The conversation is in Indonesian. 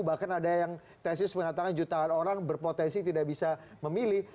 bahkan ada yang tesis mengatakan jutaan orang berpotensi tidak bisa memilih